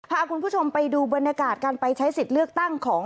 พาคุณผู้ชมไปดูบรรยากาศการไปใช้สิทธิ์เลือกตั้งของ